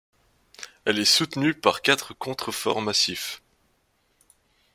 Elle est soutenue par quatre contreforts massifs.